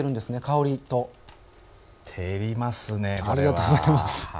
ありがとうございます。